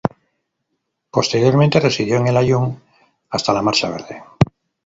Posteriormente residió en El Aaiún hasta la Marcha Verde.